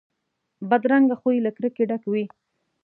بدرنګه خوی له کرکې ډک وي